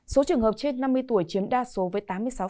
số trường hợp trên năm mươi tuổi chiếm đa số với tám mươi sáu